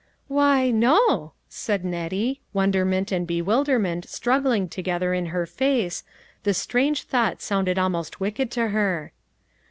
" Why, no," said Nettie, wonderment and be wilderment struggling together in her face, this etrange thought sounded almost wicked to her.